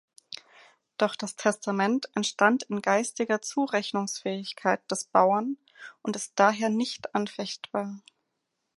Doch das Testament entstand in geistiger Zurechnungsfähigkeit des Bauern und ist daher nicht anfechtbar.